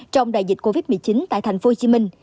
trong đại dịch covid một mươi chín tại tp hcm